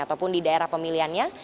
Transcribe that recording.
ataupun di daerah pemilihannya